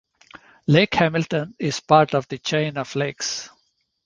Lake Hamilton is part of the Chain of Lakes.